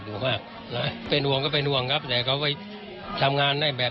แม่หนูสบายดีนะแม่ไม่ต้องห่วงนะแม่ก็ดีใจลูกสบายดีแล้ว